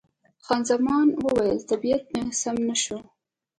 خان زمان وویل، طبیعت مې سم شو.